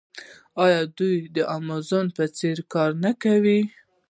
آیا دوی د امازون په څیر کار نه کوي؟